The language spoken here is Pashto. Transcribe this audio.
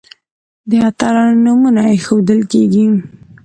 د اتلانو نومونه هم ایښودل کیږي.